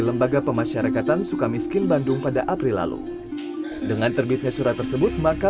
lembaga pemasyarakatan sukamiskin bandung pada april lalu dengan terbitnya surat tersebut maka